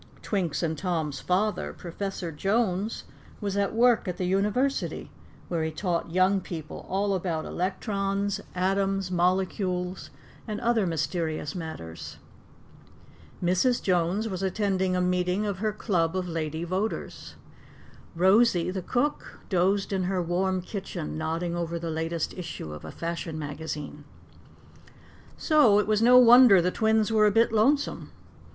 Twink's and Tom's father, Professor Jones, was at work at the University, where he taught young people all about electrons, atoms, molecules, and other mysterious matters. Mrs. Jones was attending a meeting of her Club of Lady Voters. Rosie, the cook, dozed in her warm kitchen, nodding over the latest issue of a fashion magazine. So it was no wonder the twins were a bit lonesome.